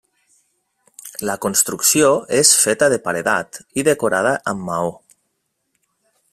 La construcció és feta de paredat i decorada amb maó.